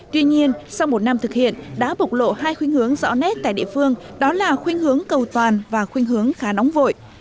tuy nhiên sau một năm thực hiện đã bộc lộ hai khuyên hướng rõ nét tại địa phương đó là khuyên hướng cầu toàn và khuyên hướng khá nóng vội